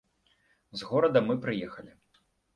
З горада мы прыехалі.